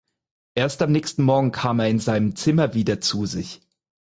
Erst am nächsten Morgen kam er in seinem Zimmer wieder zu sich.